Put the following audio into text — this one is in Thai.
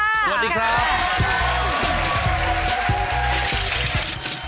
สวัสดีครับ